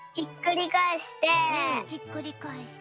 ひっくりかえして。